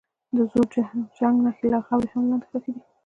د زوړ جنګ نښې لا هم خاورو لاندې ښخي دي.